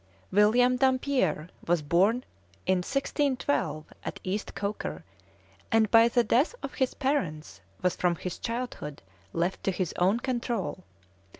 William Dampier was born in 1612 at East Coker, and by the death of his parents was from his childhood left to his own control.